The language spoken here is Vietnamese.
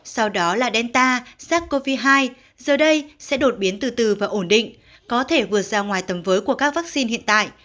sau đó là delta sars cov hai giờ đây sẽ đột biến từ từ và ổn định có thể vượt ra ngoài tầm với của các vaccine hiện tại